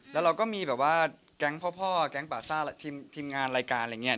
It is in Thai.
แล้วเราก็มีแบบว่าแก๊งพ่อแก๊งปาซ่าทีมงานรายการอะไรอย่างนี้